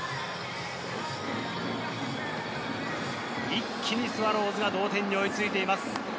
一気にスワローズが同点に追いついています。